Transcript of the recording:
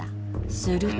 すると。